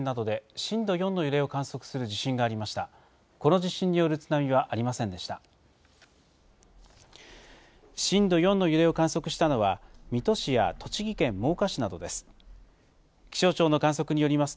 震度４の揺れを観測したのは、水戸市や栃木県真岡市などです。